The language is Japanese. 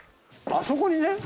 あそこにね